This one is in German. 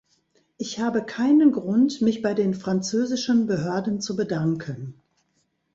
Ich habe keinen Grund, mich bei den französischen Behörden zu bedanken.